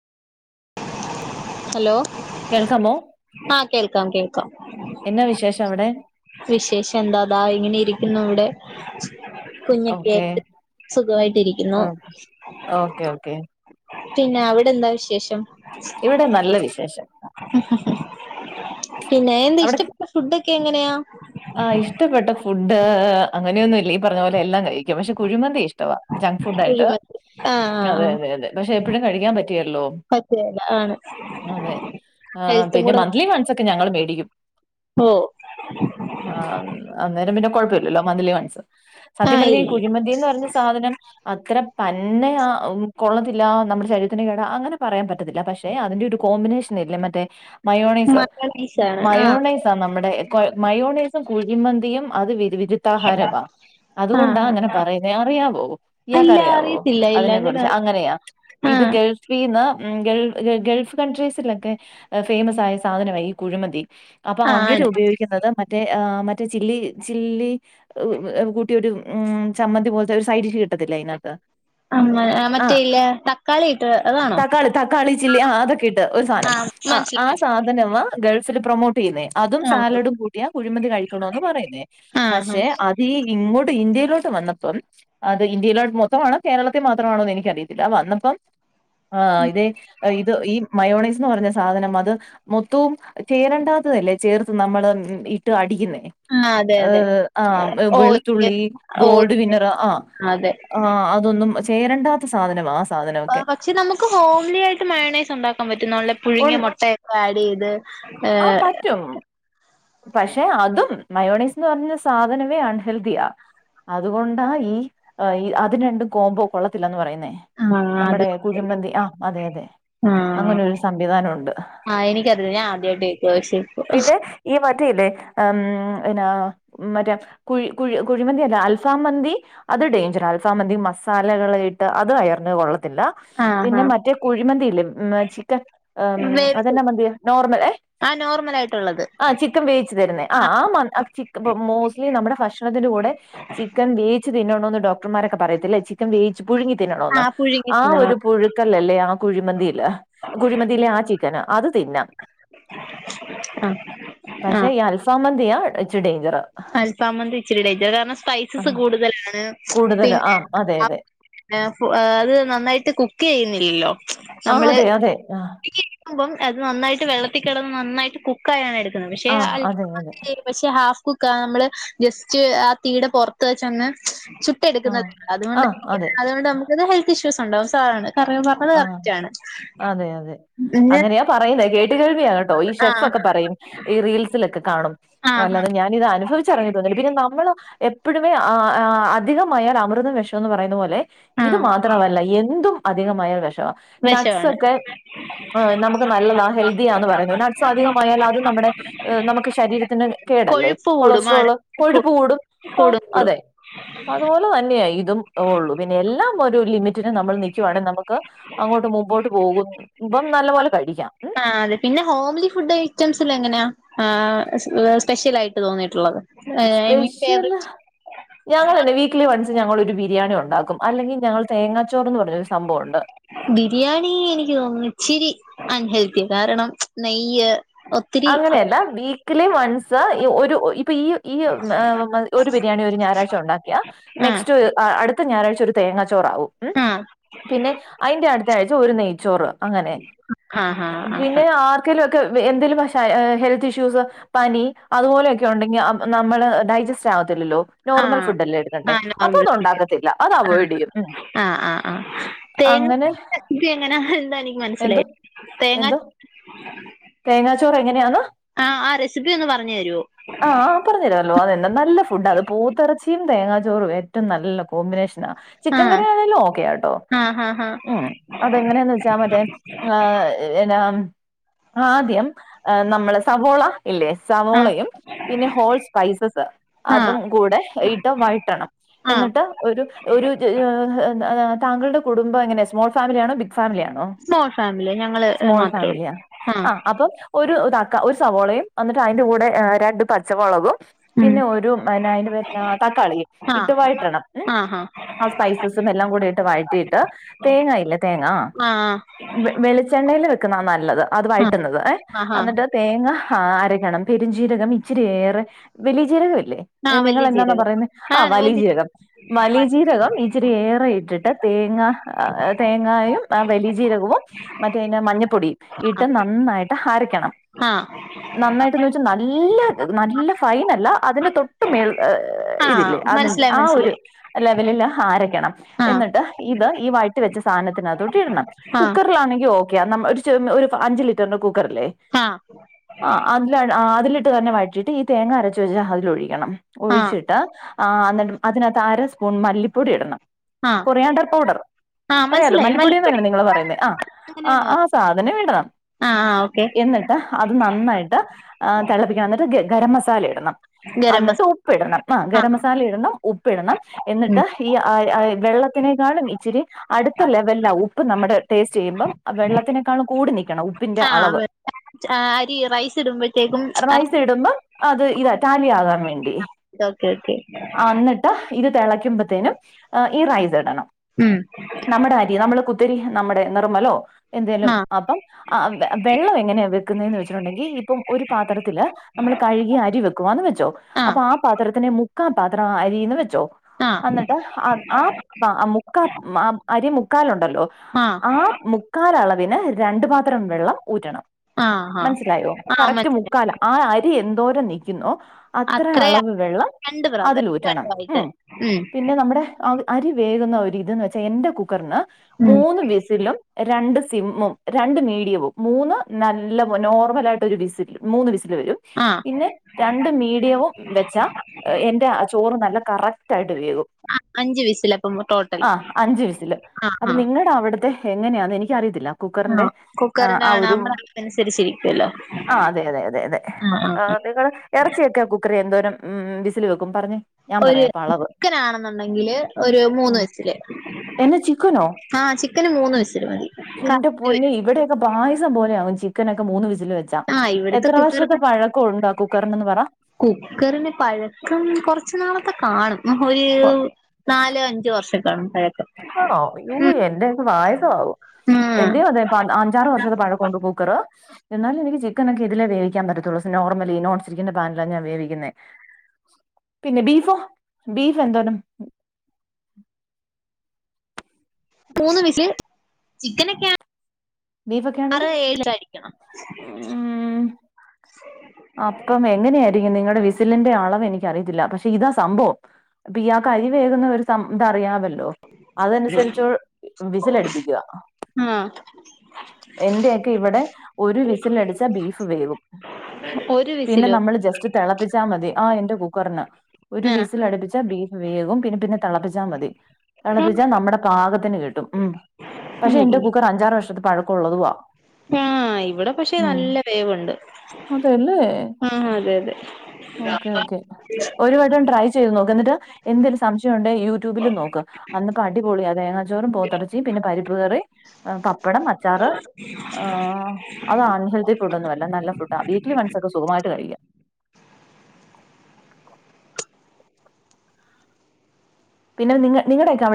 Hello കേൾക്കാമോ ആഹ് കേൾക്കാം കേൾക്കാം എന്നാ വിശേഷം അവിടെ വിശേഷം എന്താ ദാ ഇങ്ങനെ ഇരിക്കുന്നു ഇവിടെ കുഞ്ഞെക്കെ ഓക്കെ ആയിട്ട് സുഖമായിട്ട് ഇരിക്കുന്നു ഓക്കെ ഓക്കെ പിന്നെ അവിടെ എന്താ വിശേഷം ഇവിടെ നല്ല വിശേഷം പിന്നെ ഇഷ്ടപ്പെെട്ട ഫുഡൊക്കെ എങ്ങനെയാ ആഹ് ഇഷ്ടപ്പെട്ട ഫുഡ് അങ്ങനൊന്നുമില്ല ഈ പറഞ്ഞ പോലെ എല്ലാം കഴിക്കും പക്ഷെ കുഴിമന്തിയാ ഇഷ്ടം ജങ്ക് ഫുഡ് ആയിട്ട് കുഴിമന്തി ആ ആ ആ അതെ അതെതെ പക്ഷെ എപ്പോഴും കഴിക്കാൻ പറ്റിയെലല്ലോ പറ്റുയേല ആണ് അതെ ആ ഹെൽത്തും പിന്നെ മന്തിലിമൺസ് ഒക്കെ ഞങ്ങള് മേടിക്കും ഓഹ് ആഹ് അന്നേരം പിന്നെ കൊഴപ്പയില്ലല്ലോ മന്തിലിമൺസ് ആ സത്യം പറഞ്ഞാ ഈ ഇല്ല കുഴിമതി എന്ന് പറഞ്ഞ സാധനം അത്ര പന്നയാ കൊള്ളത്തില്ല നമ്മുടെ ശരീരത്തിന് കേടാ അങ്ങനെ പറയാൻ പറ്റത്തില്ല പക്ഷെ- അതിന്റ ഒരു കോമ്പിനേഷൻയില്ലേ മറ്റേ മയോണയിസ് മയോണൈസ് ആണ് ആ മയോനയി - നമ്മുടെ മയോണേസും കുഴിമന്തിയും അത് വിരുുദ്ധാഹാരമാ ആ അതുകൊണ്ടാ അങ്ങനെ പറയുന്നത് അറിയാവോ ആ ഇയാൾക്ക് ഇല്ല അറിയാവോ അറിയത്തില്ല ഇല്ല അതിനെ അങ്ങനെ കുറിച്ച് അറി- അങ്ങനെയാ ആ ഇത് ഗൾഫിന്ന് ഗൾഫ് ഗൾഫ് കൺട്രീസിലൊക്കെ- ഫേമസ്സ് ആയ സാധനമാ ഈ കുഴിമതി അപ്പൊ ആ അവര് ആണ് ഉപയോഗിക്കുന്നത് മറ്- മറ്റേ ആ മറ്റേ ചില്ലി ചില്ലി കൂട്ടിയ ഒരു ചമ്മന്തി പോലത്തെ ഒരു സൈഡിഷ്‌ കിട്ടത്തില്ലേ അതിനകത്ത് ആ മ- ആ, മറ്റേ ആഹ് ഇല്ല തക്കാളി ഇട്ട് അതാണോ തക്കാളി തക്കാളി ചില്ലി ആഹ് അതൊക്കെ ഇട്ട് ഒരു ആ സാധനം ആഹ് ആ മനസ്സിലായി മനസ്സിലായി സാധനമാ ഗൾഫില് പ്രൊമോട്ട് ചെയ്യുന്നേ അതും ആ സാലഡും കു - ക കുഴിമന്തി കഴിക്കണോന്ന് പറയുന്നേ ആ ആ പക്ഷെ അത് ഈ ഇങ്ങോട്ട് ഇന്ത്യയിലോട്ട് വന്നപ്പോം- അത് ഇന്ത്യയിലോ മൊത്തമാണോ കേരളത്തി മാത്രമാണോന്ന് എനിക്കറിയത്തില്ല വന്നപ്പം- ആഹ് ഇതേ ഇത് ഈ മയോണൈസ് എന്ന് പറഞ്ഞ സാ സാധനം അത് മൊത്തവും ചേരണ്ടാത്തതല്ലേ ചേർത്ത് നമ്മള് ഇട്ട് അടിക്കുന്നേ ആ അതെ അതെ ഏഹ് ആഹ് ഓ ഇല്ല വെളുത്തുള്ളി ഓ ഗോൾഡ് ഇല്ല വിനർ ആഹ് അതെ ആഹ് അതൊന്നും ചേരണ്ടാത്ത സാധനമാ സാധനമൊക്കെ പക്ഷെ നമുക്ക് ഹോംലി ആയിട്ട് മയണൈസ് ഉണ്ടാക്കാൻ പറ്റും നല്ല ഒൺ പുഴുങ്ങിയ മുട്ടയൊക്കെ ആഡ് ചെയ്ത് ആ ഏഹ് പറ്റും പക്ഷെ അതും മയോണീസ് എന്ന് പറഞ്ഞ സാധനമേ അൺഹെൽതിയാ അതുകൊണ്ടാ ഈ അത് രണ്ടും കോംമ്പോ കൊള്ളത്തില്ലന്ന് പറയുന്നേ ആഹ് അത് നമ്മുടെ കുഴിമന്തി ആഹ് അതെ അതെ ആഹ് അങ്ങനെ ഒരു സംവിധാനമ്മുണ്ട് ആഹ് എനിക്കറിയില്ല ഞാൻ ആദ്യമായിട്ട് കേക്കുവാ പക്ഷേ ഇപ്പം പിന്നെ ഈ മറ്റല്ലേ മ് പിന്നെ മറ്റേ- കുഴി കുഴി കുഴിമന്തി അല്ല അൽഫാം മന്തി അത് ഡേഞ്ചർ അൽഫാമംമന്തി മസാലകളായിട്ട് അത് വയറിനു കൊള്ളത്തില്ല ആഹ് പിന്നെ ആഹ് മറ്റേ കുഴിമന്തിയില്ലേ ചിക്കൻ അതെന്നാ വേവിച്ചത് മന്തിയാ നോ - നമ്മള് ഏ ആഹ് നോർമൽ ആയിട്ടുള്ളത് ആഹ് ചിക്കൻ - ചിക്കൻ വേവിച്ചു തരുന്നേ ആ ആഹ് മോസ്റ്റ്ലി നമ്മുടെ ഭക്ഷണത്തിന്റെ കൂടെ- ചിക്കൻ വേയിച്ച് തിന്നണോന്ന് ഡോക്ടർമാരൊക്കെ പറയത്തില്ലേ ചിക്കൻ വേവിച്ച് പുഴുങ്ങി തിന്നണോന്ന് ആഹ് പുഴുങ്ങി ആ തിന്നണം ഒരു പുഴുക്കലല്ലേ ആ കുഴിമന്തില് കുഴിമന്തില്ലെ ആ ചിക്കന് അത് തിന്നാം [unintelligible] ആഹ് പക്ഷെ ഈ അൽഫാമന്തിയാ ഇച്ചി ഡേയ്ഞ്ചറ് അൽഫമന്തി ഇച്ചിരി ടയിഞ്ചറ് കാരണം ആ സ്പൈസസ് കൂടുതലാണ് കൂടുതല് പിന്നെ ആ അതെ അതെ പിന്നെ അത് നന്നായിട്ട് കുക്ക് ചെയ്യുന്നില്ലല്ലോ ആ നമ്മള് അതെ അതെ ആ ആവുമ്പൊ അത് നന്നായിട്ട് വെള്ളത്തി കിടന്ന് നന്നായിട്ട് കുക്കായാണ് എടുക്കുന്നത് പക്ഷെ ആ അ അതെ അതെ പക്ഷെ ഹാഫ് കുക്ക നമ്മള് ജസ്റ്റ് ആ തീയിടെ പുറത്ത് വെച്ചൊന്ന് ചുട്ട് ആ ട്ടെടുക്കുന്നത ആ അതുകൊണ്ട് അതെ അത്കൊണ്ട് നമുക്കത് ഹെൽത്ത് ഇഷ്യൂസ്ണ്ടാവും [unintelligible] ആഹ് അതെ അതെ പിന്നെ അങ്ങനെയാ പറയുന്നെ കേട്ട് കേൾവിയാ കേട്ടോ ഈ ആഹ് ഷെഫൊക്കെ പറയും ഈ റീൽസിലൊക്കെ കാണും ആഹ് അല്ലാതെ ഞാനിത് അനുഭവിച്ചിറഞ്ഞിട്ടൊന്നില്ല പിന്നെ നമ്മൾ എപ്പഴുമേ ആഹ് ആഹ് അധികമായാൽ അമൃതം വിഷംന്ന് പറയുന്ന പോലെ ഇത് ആഹ് മാത്രമല്ല എന്തും അധികമായ വിഷവാ വിഷമാണ് നട്സൊക്കെ നമുക്ക് നല്ലതാ ഹെൽദിയാന്ന് പറയുന്നത് നഡ്സ് അധികമായാൽ അത് നമ്മുടെ നമുക്ക് ശരീരത്തിന് കേടല്ലേ കൊഴുപ്പ് കൂടും ആണ് കൊളസ്ട്രോള് കൊഴുപ്പ് കൂടും ഓഹ് കൂടും കൂടും അതെ അതുപോലെ തന്നെയാ ഇതും ഉള്ളൂ പിന്നെ എല്ലാം ഒരു ലിമിറ്റിന് നമ്മൾ നിക്കുവാണെ ക്ക് അങ്ങോട്ട് മുമ്പോട്ട് പോകുമ്പം നല്ല പോലെ കഴിക്കാം ഉം ആഹ് അതെ പിന്നെ ഹോംലി ഫുഡ് ഐറ്റംസിൽ എങ്ങനെയാ സ്പെഷ്യൽ ആയിട്ട് തോന്നിയിട്ടുള്ളത് ഐ മീൻ സ്പെഷ്യൽ ഫേവറേറ്റ് ഞങ്ങൾ തന്നെ വീക്ക്‌ലി വൺസ് ഞങ്ങള് ഒരു ബിരിയാണി ഉണ്ടാക്കും അല്ലെങ്കിൽ ഞങ്ങൾ തേങ്ങാച്ചോറെന്ന് പറഞ്ഞൊരു സംഭവമുണ്ട് ബിരിയാണി എനിക്ക് തോന്നുന്നു ഇച്ചിരി അൺ ഹെൽത്തിയാ കാരണം നെയ്യ് ഒത്തിരി അങ്ങനെയല്ല വീക്ക്ലി വൺസ് ഈ ഒരു ഇപ്പൊ ഈ ഈ ഒരു ബിരിയാണി ഒരു ഞായറാഴ്ച ഉണ്ടാക്കിയാ ആഹ് നെക്സ്റ്റ് അടുത്ത ഞായറാഴ്ച ഒരു തേങ്ങാച്ചോറാവും ഉം ആഹ് പിന്നെ അയിന്റെ അടുത്ത ആഴ്ച ഒരു നെയ്ച്ചോറ് അങ്ങനെ ആഹ് പിന്നെ ആഹ് ആർ ക്കേലൊക്കെ എന്തേലും ഭ ഹെൽത്ത് ഇഷ്യൂസ് പനി അതുപോലെയൊക്കെ ഉണ്ടെങ്കിൽ നമ്മള് ഡൈജസ്റ്റ് ആവത്തില്ലല്ലോ നോർമൽ ആഹ് ഫുഡ് അല്ലേ എടുക്കണ്ടേ ആഹ് അപ്പൊ നോർമൽ അത് ഉണ്ടാക്കത്തില്ല അത് അവോയ്ഡ് ചെയ്യും ഉം ആഹ് ആഹ് ആഹ് അങ്ങനെ തേങ്ങചോറ് റെസിപ്പി എങ്ങനാ എന്താ എനിക്ക് എന്തോ മനസ്സിലായില്ല തേങ്ങാ എന്തോ തേങ്ങാച്ചോറ് എങ്ങനെയാന്ന് ആഹ് ആഹ് റെസിപ്പി ഒന്ന് പറഞ്ഞു തരുവോ ആഹ പറഞ്ഞു തരാല്ലോ അതെന്ന നല്ല ഫുഡ അത് പോത്തെറച്ചിയും തേങ്ങാ ചോറും ഏറ്റവും നല്ല കോമ്പിനേഷനാ ചിക്കൻ ആഹ് കറി ആണേലും ഓക്കെയാട്ടോ ആഹ് ആഹ് ഉം അതെങ്ങനെയെന്ന് വെച്ചാ മറ്റേ എന്നാ ആദ്യം ഏഹ് നമ്മള് സവോള ഇല്ലേ ആഹ് സവോളയും പിന്നെ ഹോൾ സ്പൈസസ് ആഹ് അതും കൂടെ ഇട്ട് വഴറ്റണം ആഹ് എന്നിട്ട് ഒരു ഒരു താങ്കളുടെ കുടുംബം എങ്ങനെ സ്മോൾ ഫാമിലി ആണോ ബിഗ് ഫാമിലി ആണോ സ്മോൾ ഫാമിലി ഞങ്ങള് സ്മോൾ മാത്രേ ഉള്ളൂ ഫാമിലിയ ആഹ് അപ്പൊ ഒരു ഇതാക്ക ഒരു സവോളയും എന്നിട്ട് അതിന്റെ കൂടെ രണ്ട് പച്ചമൊളകും ഉം പിന്നെ ഒരു എന്നാ അയിന്റെ പേര് എന്നാ തക്കാളിയും ഇട്ടു വായറ്റണം ഉം ആഹ് ആഹ് ആ സ്പൈസസും എല്ലാം കൂടിട്ട് വഴറ്റിയിട്ട് തേങ്ങയില്ലേ തേങ്ങാ ആഹ് ആഹ് വെ വെളിച്ചെണ്ണേൽ വെക്കുന്നാ നല്ലത് അത് ആഹ് വയറ്റുന്നത് ഏഹ് ആഹ് ആഹ് തേങ്ങ ആഹ് അരക്കണം പെരുംജീരകം ഇച്ചിരി ഏറെ വലിയ ജീരകംല്ലേ ആഹ് നിങ്ങൾ വലിയ എന്നാന്നാ ജീരകം പറയുന്നെ ആ ആണ് വലിയ വലിജീരകം വലീജീരകം ഇച്ചിരി ഏറെ ഇട്ടിട്ട് തേങ്ങ തേങ്ങായും വലിജീരകവും മറ്റേ എന്നാ മഞ്ഞപ്പൊടിയും ഇട്ട് നന്നായിട്ട് അരക്കണം ആഹ നന്നായിട്ട്ന്ന് വെച്ചാ നല്ല നല്ല ഫൈനല്ല അതിന്റെ തൊട്ട് മേൽ ആഹ് ഇതില്ലേ അതിന്റെ മനസ്സിലായി ആ ഒരു മനസ്സിലായി ലെവലില് അരക്കണം ആഹ് എന്നിട്ട് ഇത് ഈ വഴറ്റി വെച്ച സാനത്തിനകത്തോട്ട് ഇടണം ആഹ് കുക്കറിലാണെങ്കിൽ ഓക്കെ ന ഒരു ചെർ അഞ്ചു ലിറ്ററിന്റെ കുക്കറില്ലേ ആഹ ആഹ് അതി അതിലിട്ട് തന്നെ വഴറ്റിയിട്ട് ഈ തേങ്ങ അരച്ച് വെച്ച അതിലൊഴിക്കണം ആഹ് ഒഴിച്ചിട്ട് അത്. അതിനകത്ത് അര സ്പൂൺ മല്ലിപ്പൊടി ഇടണം ആഹ് കൊറിയാണ്ടർ പൗഡർ ആഹ് അറിയാലോ മനസ്സിലായി മല്ലിപ്പൊടിയന്ന് മല്ലിപ്പൊടി തന്നെ നിങ്ങള് പറയുന്നേ ആ ആ ആ സാധനം വിടണം ആ ആ എന്നിട്ട് അത് നന്നായിട്ട് തിളപ്പിക്കണം എന്നിട്ട് ഗരം മസാല ഇടണം ഗരം മസ എന്നന്നിട്ട് ഉപ്പിടണം ആ ഗരം ആഹ് മസാല ഇടണം ഉപ്പിടണം ഉം എന്നിട്ട് ഈ ആ വെള്ളത്തിനെക്കാളും ഇച്ചിരി അടുത്ത ലെവലില ഉപ്പ് നമ്മുടെ ടേസ്റ്റ് ചെയ്യുമ്പം വെള്ളത്തിനേക്കാൾും കൂടി നൽക്കണം ഉപ്പിന്റെ അളവ് ആഹ് അരി റൈസ് ഇടുമ്പോ റൈസ് ഇടുമ്പോ അത് ഇതാ ടാലി ആകാൻ വേണ്ടി ഓക്കെ ഓക്കെ എന്നിട്ട് ഇത് തിളക്കുമ്പോത്തേനും ഈ റൈസ് ഇടണം ഉം നമ്മുടെ അരി നമ്മള് കുത്തിരി നമ്മുടെ നിർമ്മലോ എന്തേലും ആഹ് അപ്പം വെള്ളം വെക്കുന്നതന്ന് വെച്ചിട്ടുണ്ടെങ്കിൽ ഇപ്പം ഒരു പാത്രത്തില്ൽ നമ്മൾ കഴുകി അരി വെക്കുകന്ന് വെച്ചോ ആഹ് അപ്പൊ ആ പാത്രത്തിനെ മുക്കാൻ പാത്രം അന്ന് വെച്ചോ ആഹ് എന്നിട്ട് ആ ആ മുക്കാൽ ആ അരി മുക്കാലുണ്ടല്ലോ ആഹ് ആ മുക്കാല അളവിന് രണ്ടു പാത്രം വെള്ളം ഊറ്റണം ആഹ് ആഹ് മനസ്സിലായോ ആഹ് കറക്റ്റ് മനസ്സിലായി മുക്കാല ആ അരി എന്തോരം നൽക്കുന്നു അത്ര അത്രയാ അളവ് വെള്ളം രണ്ട് ബ്രദർ അതിലൂറ്റണം ഉ രണ്ടായിട്ട് ഉം പിന്നെ നമ്മുടെ ആ അരി വേകുന്ന ഒ ഇതന്ന് വെച്ചാ എന്റെ കുക്കറിന് ഉം മൂന്ന് വിസിലും രണ്ട് സിമ്മും രണ്ട് മീഡിയവും മൂന്ന് നല്ല നോർമല ആയിട്ട് ഒരു വിസിൽ മൂന്ന് വിസില് വരും ആഹ് പിന്നെ രണ്ട് മീഡിയവും വെച്ചാ എന്റെ ആ ചോറ് നല്ല കറക്റ്റ് ആയിട്ട് വേകും ആ അഞ്ച് വീസില അപ്പം ടോട്ടൽ ആ അഞ്ച് വിസില് ആ അപ്പൊ ആ നിങ്ങളുടെ അവിടുത്തെ എങ്ങനെയാെന്ന് എനിക്ക അറിയത്തില്ല കുക്കറിന്റെ ആ ഒരു അതനുസരിച്ചിരിക്കുവല്ലോ ആ അതെ അതെ അതെ അതെ ഇറച്ചിയൊക്കെ ആ കുക്കറിൽ എന്തോരം ഉ വിസിൽ വെക്കും പറഞ്ഞെ ഒരു ചിക്കനാണെന്നുണ്ടെങ്കില് ഒരു മൂന്ന് ഫിസില് എന്നെ ചിക്കനോ ആഹ ചിക്കന് മൂന്ന് വിസില് മതി എന്റെ പൊന്നെ ഇവിടെയൊക്കെ പായസം പോലെ ആകും ചിക്കൻ ഒക്കെ മൂന്ന് വിസിൽ വെച്ചാ ആഹ് ഇവിടുത്തെ എത്ര വർഷത്തെ കുക്കറിന് പഴക്കം ഉണ്ടാകും പാഞ്ഞെന്ന് പറ കുക്കറിന് പഴക്കം കൊറച്ചു നാളൊത്തെ കാണും ഒരു നാലോ അഞ്ചോ വർഷക്കാണ് പഴക്കം ആണോ എന്റെ പായസമാവും ഉം ആഹ് എന്റെയും അതെ അഞ്ചാറു വർഷത്തെ പഴക്കമുണ്ട് കുക്കർ എന്നാലും എനിക്ക് ചിക്കനോക്കെ ഇതിലെ വേവിക്കാൻ പറ്റത്തുള്ളൂ നോർലി ഇ നോൺസ്റ്റിക്കിന്റെ പാനിലാണ് ഞാൻ വേവിക്കുന്നത് പിന്നെ ബീഫോ ബീഫ് എന്തോരം മൂന്ന് വിസില് ചിക്കനൊക്കെ ബീഫൊക്കെ ആറ് ആണെങ്കിൽ ഏഴ് അ [inaudible] ഉം അ [unintelligible] അപ്പം എങ്ങനെയായിരിക്കും നിങ്ങളുടെ വിസിലിന്റെ അളവ് എനിക്കറിയത്തില്ല പക്ഷെ ഇതാ സംഭവം അപ്പൊ ഇയാൾക്ക് അരി വേകുന്ന ഒരു ഇത്‌ അറിയാമല്ലോ അതനുസരിച്ച് വിസിലടിപ്പിക്കുക ആഹ എന്റെയൊക്കെ ഇവിടെ ഒരു വിസിലടിച്ചാ ബീഫ് വേവും ഒരു പിന്നെ വിസിലോ നമ്മള് ജസ്റ്റ് തിളപ്പിച്ചാ മതി ആ എന്റെ കുക്കറിന് ഒരു ആഹ് വീസിൽ അടുപ്പിച്ച ബീഫ് വേവും പിന്നെ പിന്നെ തിളപ്പിച്ചാൽ മതി തിളപ്പിച്ചാൽ നമ്മുടെ പാകത്തിന് കിട്ടും ഉം പക്ഷെ ഉം എന്റെ കുക്കർ അഞ്ചാറ് വർഷത്ത പഴക്കമുള്ളതുവാ ആഹ് ഇവിടെ പക്ഷെ നല്ല വേവുണ്ട് അല്ലെ ആഹ് അതെ അതെ ഓക്കേ ഓക്കേ ഒരു വട്ടം ട്രൈ ചെയ്യ ചെയ്തു നോക്ക് എന്നിട്ട് എന്തേലും സംശയം ഉണ്ടെങ്കിൽ യൂ യുടൂബിൽ നോക്ക് അന്ന്‌ അടിപൊളി അത് തേങ്ങാ ചോറും പോത്തടച്ചി പിന്നെ പരിപ്പ് കറി ആഹ് പപ്പടം അച്ചാറ് ആഹ് അത് അൺഹെൽത്തി ഫുഡ് ഒന്നും അല്ല നല്ല ഫുഡ ആഹ് വീക്കിലി ഒന്സ് ഒക്കെ സുഖമായിട്ട് കഴിക്കാം പിന്നെ നി നിങ്ങടെക്കാ അവി